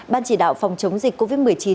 ban chỉ đạo phòng chống dịch covid một mươi chín